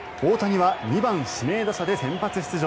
大谷は２番指名打者で先発出場。